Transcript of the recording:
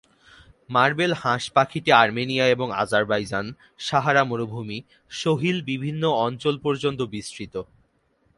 Marble হাঁস পাখিটি Armenia এবং আজারবাইজান, সাহারা মরুভূমি, সহিল বিভিন্ন অঞ্চল পর্যন্ত বিস্তৃত।